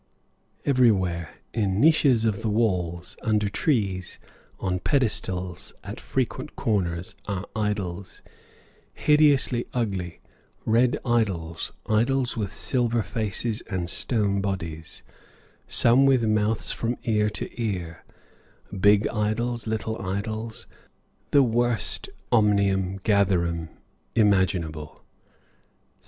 Everywhere, in niches of the walls, under trees, on pedestals at frequent corners, are idols, hideously ugly; red idols, idols with silver faces and stone bodies, some with mouths from ear to ear, big idols, little idols, the worst omnium gatherum imaginable.